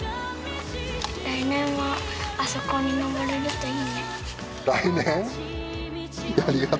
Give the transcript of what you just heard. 来年はあそこに登れるといいね。